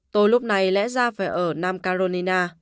tôi lúc này lẽ ra phải ở nam carolina